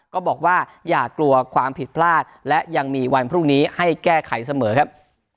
ก็บอกว่าอย่ากลัวความผิดพลาดและยังมีวันพรุ่งนี้ให้แก้ไขเสมอครับ